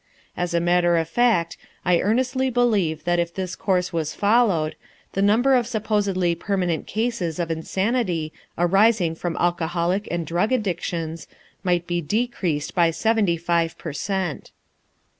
As a matter of fact, I earnestly believe that if this course was followed, the number of supposedly permanent cases of insanity arising from alcoholic and drug addictions might be decreased by seventy five per cent.